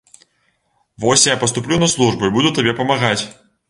Вось я паступлю на службу і буду табе памагаць.